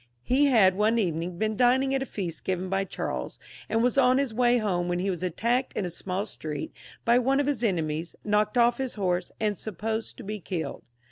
He had one evening been dining at a feast given by Charles, and was on his way home, when he was attacked in a smaU street by one of his enemies, knocked off his horse, and supposed to be killed.